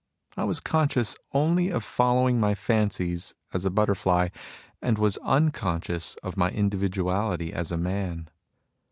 I was conscious only of following my fancies as a butterfly, and was unconscious of my individu ality as a man.